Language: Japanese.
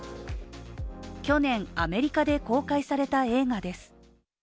去年、アメリカで公開された映画です。